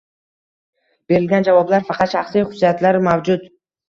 Berilgan javoblar faqat shaxsiy xususiyatlar mavjud.